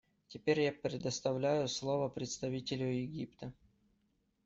Теперь я предоставляю слово представителю Египта.